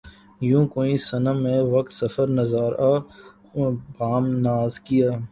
یوں کوئے صنم میں وقت سفر نظارۂ بام ناز کیا